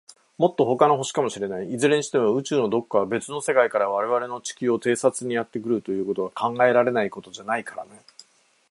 もっと、ほかの星かもしれない。いずれにしても、宇宙の、どこか、べつの世界から、われわれの地球を偵察にやってくるということは、考えられないことじゃないからね。